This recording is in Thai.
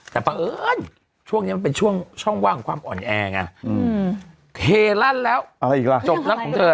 แต่ปะเอิ้นช่วงนี้มันเป็นช่วงช่องว่างของความอ่อนแอร์ไงอืมเฮลั่นแล้วอะไรอีกล่ะจบนักของเธออ่ะ